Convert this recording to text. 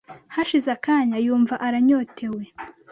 Hashize akanya yumva aranyotewe,